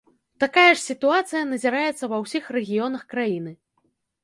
Такая ж сітуацыя назіраецца ва ўсіх рэгіёнах краіны.